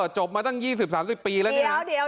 จบมาตั้ง๒๐๓๐ปีแล้ว